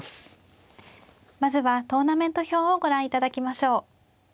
まずはトーナメント表をご覧いただきましょう。